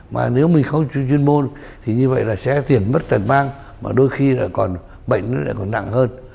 mà nếu mình không chuyên môn thì như vậy là sẽ tiền mất tật mang mà đôi khi là còn bệnh nó lại còn nặng hơn